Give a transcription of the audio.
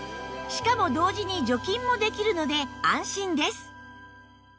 しかも同時に除菌もできるので安心です